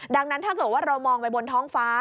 ดังนั้นถ้าเกิดว่าเรามองไปบนท้องฟ้า